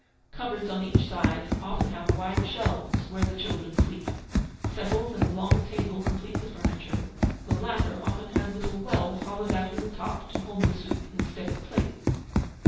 Cupboards on each side often have wide shelves, where the children sleep. Settles and a long table complete the furniture; the latter often has little wells hollowed out in the top to hold the soup instead of plates.